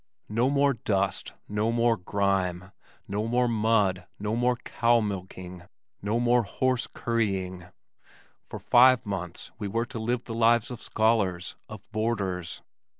No more dust, no more grime, no more mud, no more cow milking, no more horse currying! For five months we were to live the lives of scholars, of boarders.